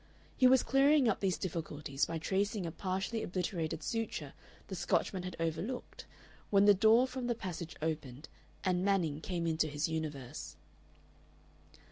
He was clearing up these difficulties by tracing a partially obliterated suture the Scotchman had overlooked when the door from the passage opened, and Manning came into his universe.